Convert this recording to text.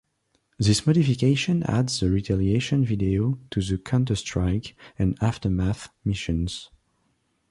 This modification adds the "Retaliation" videos to the "Counterstrike" and "Aftermath" missions.